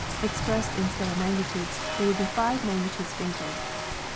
Ex pressed in stellar magnitudes, they would be five magni tudes fainter.